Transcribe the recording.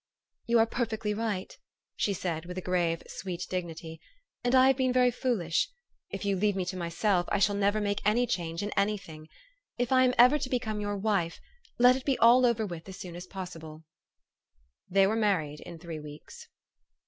" You are perfectly right," she said with a grave, sweet dignity ;" and I have been very foolish. If j'ou leave me to myself, I shall never make any change THE STORY OF AVIS. 229 in any thing. If I am ever to become your wife, let it be all over with as soon as possible.*' They were married in three weeks.